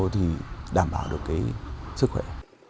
thì đảm bảo được cái sức khỏe